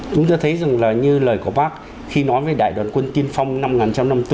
chúng ta thấy rằng là như lời của bác khi nói về đại đoàn quân tiên phong năm một nghìn chín trăm năm mươi bốn